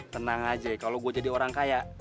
tenang aja kalo gua jadi orang kaya